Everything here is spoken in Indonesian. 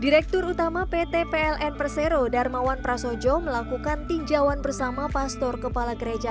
direktur utama pt pln persero darmawan prasojo melakukan tinjauan bersama pastor kepala gereja